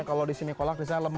kalau di sini kolak bisa lemang